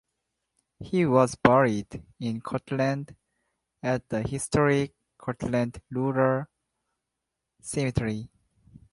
He was buried in Cortland at the historic Cortland Rural Cemetery.